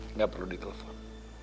enggak perlu di telepon